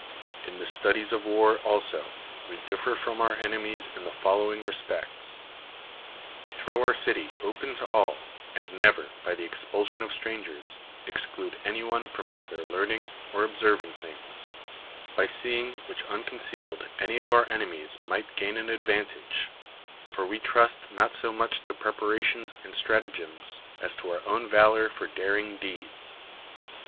In the studies of war also we differ from our enemies in the following respects: AVe throw our city open to all, and never, by the expulsion of strangers, exclude anyone from either learn ing or observing things, by seeing which uncon cealed any of our enenncs might gain an advan tage; for we trust not so much to preparations and stratagems, as to our ovrn valor for daring deeds.